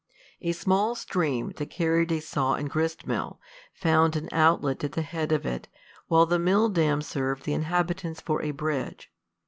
A small stream, that carried a saw and grist mill, found an outlet at the head of it, while the milldam served the inhabitants for a bridge.